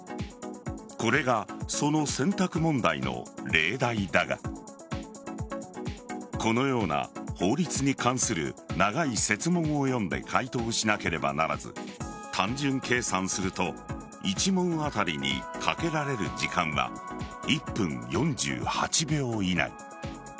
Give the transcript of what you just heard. これがその選択問題の例題だがこのような法律に関する長い設問を読んで解答しなければならず単純計算すると１問当たりにかけられる時間は１分４８秒以内。